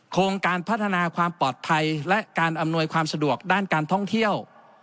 โครงการพัฒนาความปลอดภัยและการอำนวยความสะดวกด้านการท่องเที่ยว